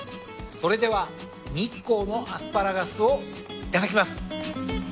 それでは日光のアスパラガスをいただきます。